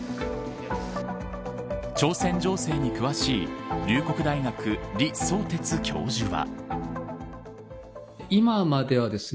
朝鮮情勢に詳しい龍谷大学李相哲教授は。